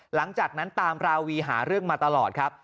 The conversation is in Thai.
หลังจากนั้นตามราวีหาเรื่องมาตลอดครับ